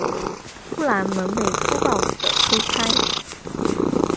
突然门被粗暴的推开